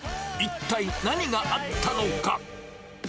一体何があったのか。